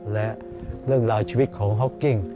และเรื่องราวชีวิตของฮอกกิ้ง